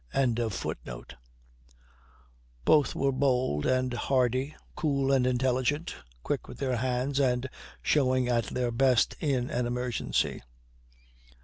] Both were bold and hardy, cool and intelligent, quick with their hands, and showing at their best in an emergency.